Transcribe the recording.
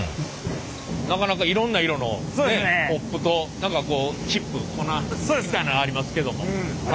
なかなかいろんな色のコップとチップ？粉？みたいなのがありますけども。